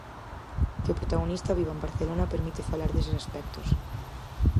Que o protagonista viva en Barcelona permite falar deses aspectos.